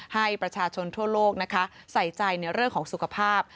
ให้ประชาชนทั่วโลกนะคะใส่ใจในเรื่องของสุขภาพ